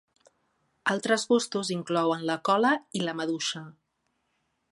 Altres gustos inclouen la cola i la maduixa.